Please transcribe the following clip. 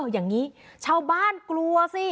อย่างนี้ชาวบ้านกลัวสิ